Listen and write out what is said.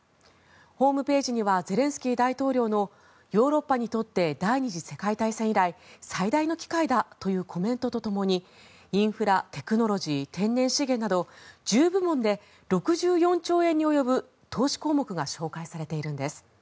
ホームページにはゼレンスキー大統領のヨーロッパにとって第２次世界大戦以来最大の機会だというコメントとともにインフラ、テクノロジー天然資源など１０部門で６４兆円に及ぶ投資項目が紹介されているんです。